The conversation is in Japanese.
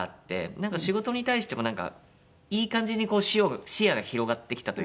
なんか仕事に対してもいい感じに視野が広がってきたというか。